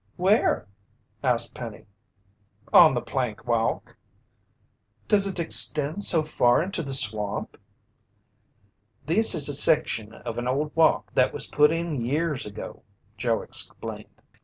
"Where?" asked Penny. "On the plank walk." "Does it extend so far into the swamp?" "This is a section of an old walk that was put in years ago," Joe explained.